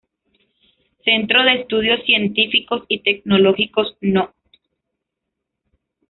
Centro de Estudios Científicos y Tecnológicos No.